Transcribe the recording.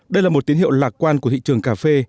đây là một tín hiệu lạc quan của thị trường cà phê